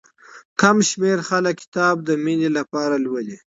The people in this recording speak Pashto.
کم شمېر خلک کتاب د مينې لپاره لولي.